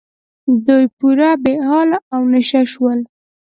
دوی پوره بې حاله او نشه شول.